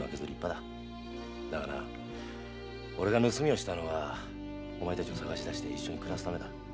だがな俺が盗みをしたのはお前たちを探し出して一緒に暮らすためだ。